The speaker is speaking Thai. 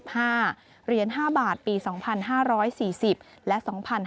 เหรียญ๕บาทปี๒๕๔๐และ๒๕๕๙